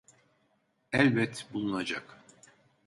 Elbet bulunacak!